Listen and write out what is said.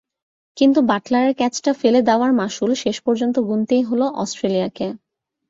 কিন্তু বাটলারের ক্যাচটা ফেলে দেওয়ার মাশুল শেষ পর্যন্ত গুনতেই হলো অস্ট্রেলিয়াকে।